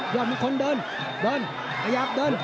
อดมงคลเดินเดินขยับเดิน